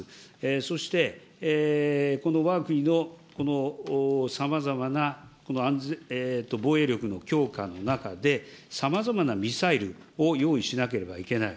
そして、わが国のこのさまざまな防衛力の強化の中で、さまざまなミサイルを用意しなければいけない。